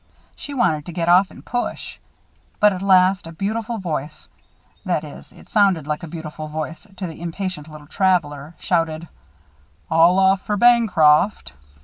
She wanted to get off and push. But at last a beautiful voice (that is, it sounded like a beautiful voice to the impatient little traveler) shouted: "All off for Bancroft."